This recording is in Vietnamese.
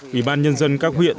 ủy ban nhân dân các huyện